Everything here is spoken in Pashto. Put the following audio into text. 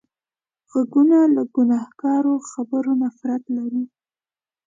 غوږونه له ګناهکارو خبرو نفرت لري